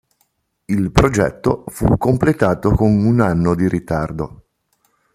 Il progetto fu completato con un anno di ritardo.